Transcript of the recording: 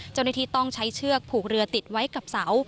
เจ้าหน้าที่ต้องใช้เชือกผูกเรือติดไว้กับเสา